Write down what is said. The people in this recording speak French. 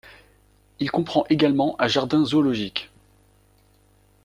Il comprend également un jardin zoologique.